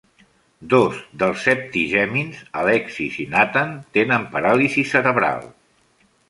Dos dels septigèmins, Alexis i Nathan, tenen paràlisi cerebral.